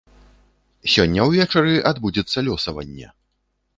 Сёння ўвечары адбудзецца лёсаванне.